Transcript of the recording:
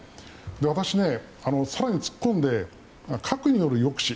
私は更に突っ込んで、核による抑止